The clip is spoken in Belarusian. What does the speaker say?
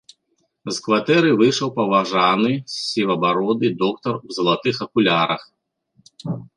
З кватэры выйшаў паважаны сівабароды доктар у залатых акулярах.